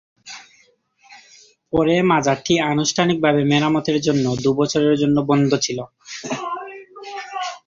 পরে, মাজারটি আনুষ্ঠানিকভাবে মেরামতের জন্য দুই বছরের জন্য বন্ধ ছিল।